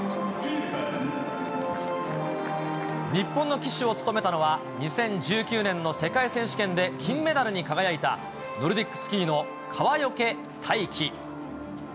日本の旗手を務めたのは、２０１９年の世界選手権で金メダルに輝いた、ノルディックスキーの川除大輝。